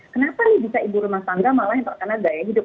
kenapa nih bisa ibu rumah tangga malah yang terkena gaya hidup